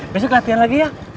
besok latihan lagi ya